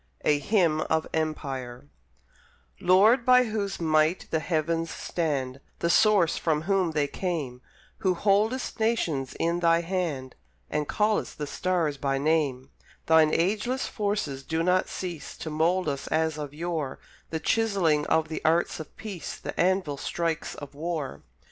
A HYMN OF EMPIRE Lord, by Whose might the Heavens stand, The Source from Whom they came, Who holdest nations in Thy hand, And call'st the stars by name, Thine ageless forces do not cease To mould us as of yore The chiselling of the arts of peace, The anvil strikes of war.